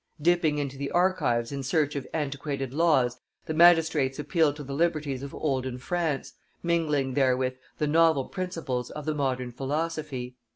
Dipping into the archives in search of antiquated laws, the magistrates appealed to the liberties of olden France, mingling therewith the novel principles of the modern philosophy.